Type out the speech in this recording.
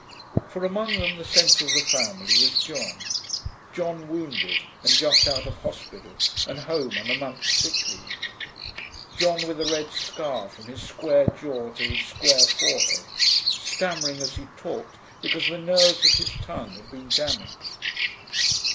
For among them, the centre of the family, was John; John wounded and just out of hospital and home on a month's sick leave; John with a red scar from his square jaw to his square forehead, stammering as he talked because the nerves of his tongue had been damaged.